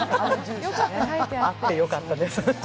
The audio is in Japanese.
あって良かったです。